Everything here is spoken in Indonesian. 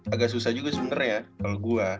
agak susah juga sebenernya kalau gue